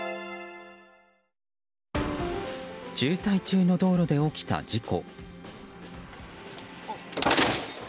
渋滞中の道路で起きた事故。